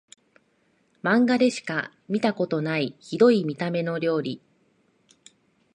マンガでしか見たことないヒドい見た目の料理